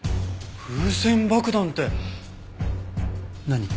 風船爆弾って何？